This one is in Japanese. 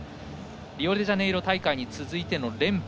リオデジャネイロ大会に続いての連覇。